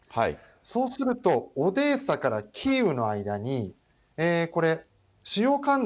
そうすると、オデーサからキーウの間に、これ、ここに？